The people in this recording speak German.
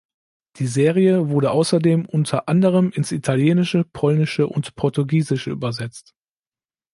Die Serie wurde außerdem unter anderem ins Italienische, Polnische und Portugiesische übersetzt.